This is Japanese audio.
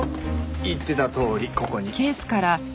言ってたとおりここに。